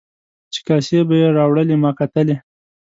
چې کاسې به یې راوړلې ما کتلې.